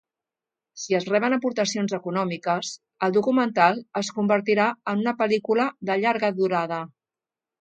Si es reben aportacions econòmiques, el documental es convertirà en una pel·lícula de llarga durada.